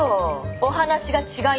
お話が違います。